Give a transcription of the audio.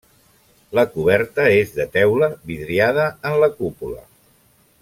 La coberta és de teula, vidriada en la cúpula.